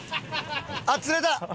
あっ釣れた！